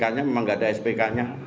karena memang tidak ada spk